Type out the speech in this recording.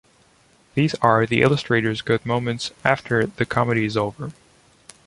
These are the illustrator’s good moments, after the comedy is over.